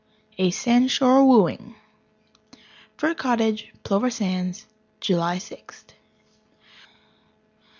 A Sandshore Wooing Fir Cottage, Plover Sands. July Sixth.